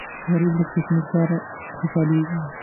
غریب له کوچني کاره خوشاليږي